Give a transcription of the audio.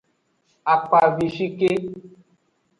Akpavishike.